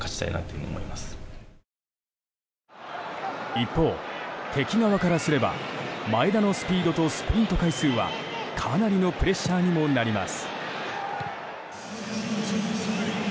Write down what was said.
一方、敵側からすれば前田のスピードとスプリント回数はかなりのプレッシャーにもなります。